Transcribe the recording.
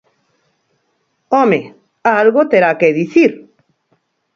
¡Home, algo terá que dicir!